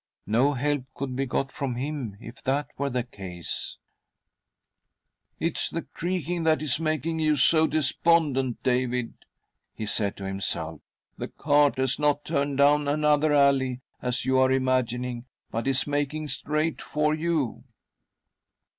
No help could be got from him if that were the case ! "It's the creaking that is making you so de spondent, David " he said to himself^ " The cart has not turned down another alley, as you are imagining, but is making straight for you."